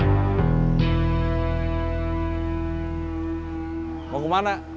kau mau kemana